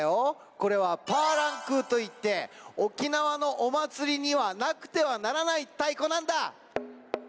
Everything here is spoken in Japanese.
これはパーランクーといって沖縄のおまつりにはなくてはならないたいこなんだ。